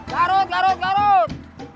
garut garut garut